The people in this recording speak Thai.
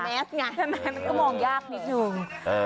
เหมือนสายแมสง่ายมันก็มองยากนิดนึง